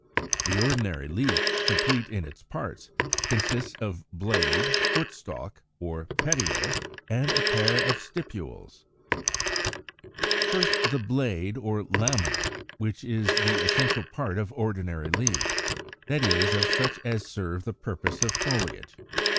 = The ordinary leaf, complete in its parts, consists of blade, foot stalk, or petiole, and a pair of stipules. 123. First the BLADE or LAMINA, which is the essential part of ordinary leaves, that is, of such as serve the purpose of foliage.